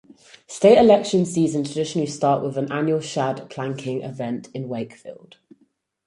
State election seasons traditionally start with the annual Shad Planking event in Wakefield.